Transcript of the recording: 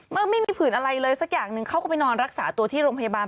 ไม่มีผื่นอะไรเลยสักอย่างหนึ่งเขาก็ไปนอนรักษาตัวที่โรงพยาบาล